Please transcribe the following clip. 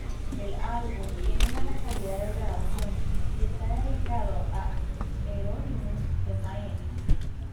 El álbum tiene mala calidad de grabación y está dedicado a Euronymous de Mayhem.